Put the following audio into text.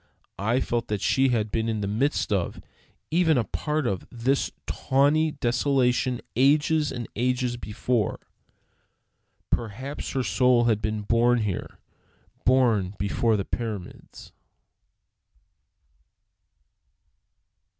I felt that she had been in the midst of, even a part of, this tawny desolation ages and ages before. Perhaps her soul had been born here, born before the pyramids.